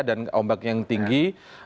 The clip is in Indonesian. dan ombak yang tinggi